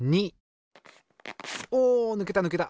おぬけたぬけた。